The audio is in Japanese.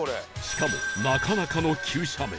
しかもなかなかの急斜面